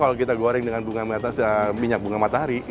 kalau kita goreng dengan bunga minyak bunga matahari